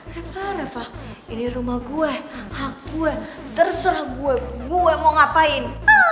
reva reva ini rumah gue hak gue terserah gue gue mau ngapain